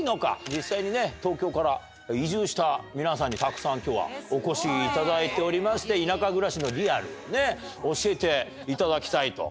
実際にね、東京から移住した皆さんに、たくさんきょうは、お越しいただいておりまして、田舎暮らしのリアル、教えていただきたいと。